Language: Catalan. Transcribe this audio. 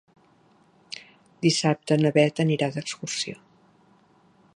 Dissabte na Bet anirà d'excursió.